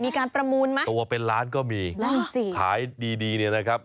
มีการประมูลไหมตัวเป็นล้านก็มีนั่นสิขายดีดีเนี่ยนะครับ